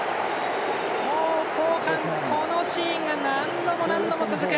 もう後半、このシーンが何度も何度も続く！